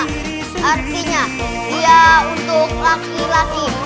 artinya dia untuk laki laki